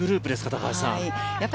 高橋さん。